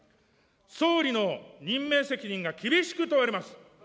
総理の任命責任が厳しく問われます。